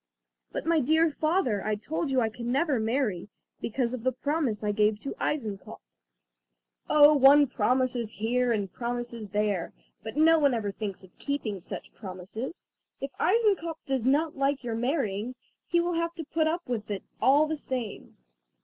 "But, my dear father, I told you I can never marry, because of the promise I gave to Eisenkopf." "Oh, one promises here and promises there, but no one ever thinks of keeping such promises. If Eisenkopf does not like your marrying, he will have to put up with it all the same!